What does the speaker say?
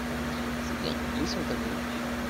C’est bien, laissons ta livrée…